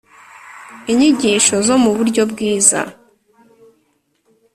inyigisho zo mu buryo bwiza